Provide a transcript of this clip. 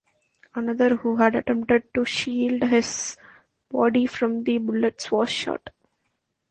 Another who had attempted to shield his body from the bullets was shot.